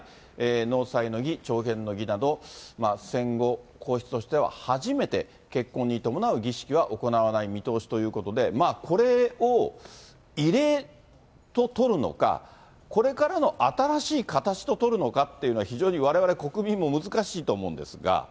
納采の儀、朝見の儀など、戦後皇室としては初めて、結婚に伴う儀式は行わない見通しということで、まあこれを異例と取るのか、これからの新しい形と取るのかっていうのは、非常にわれわれ国民も難しいと思うんですが。